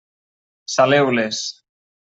Saleu-les.